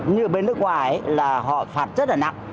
như ở bên nước ngoài là họ phạt rất là nặng